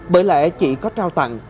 bởi lẽ chỉ có trao tặng